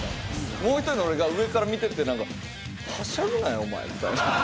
もう１人の俺が上から見てて何かはしゃぐなよお前みたいな。